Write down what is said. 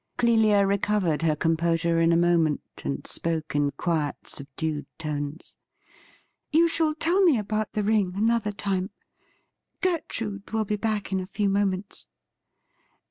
Clelia recovered her composure in a moment, and spoke in quiet, subdued tones. ' You shall tell me about the ring another time. Gertrude will be back in a few moments.'